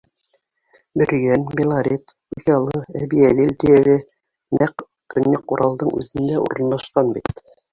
Бөрйән, Белорет, Учалы, Әбйәлил төйәге нәҡ Көньяҡ Уралдың үҙендә урынлашҡан бит!